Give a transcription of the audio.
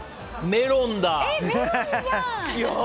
メロンよ。